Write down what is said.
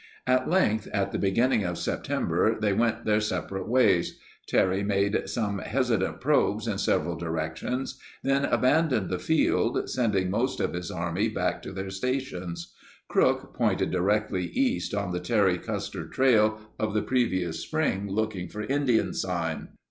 At length, at the beginning of September, they went their separate ways. Terry made some hesitant probes in several directions, then abandoned the field, sending most of his army back to their stations. Crook pointed directly east, on the Terry Custer trail of the previous spring, looking for Indian sign.